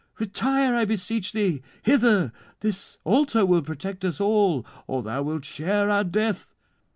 Retire, I beseech thee, hither; this altar will protect us all, or thou wilt share our death."